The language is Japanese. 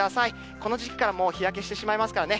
この時期からもう日焼けしてしまいますからね。